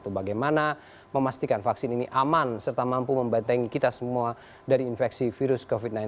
bagaimana memastikan vaksin ini aman serta mampu membantengi kita semua dari infeksi virus covid sembilan belas